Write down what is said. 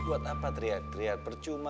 buat apa teriak teriak percuma